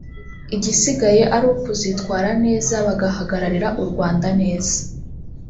igisigaye ari ukuzitwara neza bagahagararira u Rwanda neza